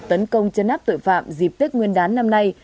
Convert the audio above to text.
tấn công chấn áp tội phạm dịp tết nguyên đán năm nay